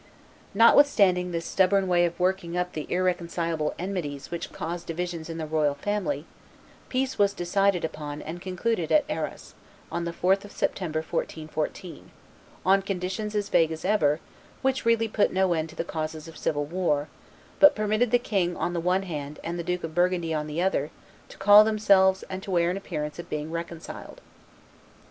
Notwithstanding this stubborn way of working up the irreconcilable enmities which caused divisions in the royal family, peace was decided upon and concluded at Arras, on the 4th of September, 1414, on conditions as vague as ever, which really put no end to the causes of civil war, but permitted the king on the one hand and the Duke of Burgundy on the other, to call themselves and to wear an appearance of being reconciled.